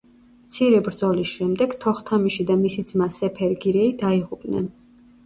მცირე ბრძოლის შემდეგ თოხთამიში და მისი ძმა, სეფერ გირეი, დაიღუპნენ.